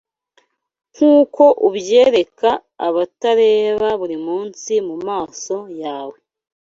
nkuko ubyereka abatareba buri munsi mumaso yawe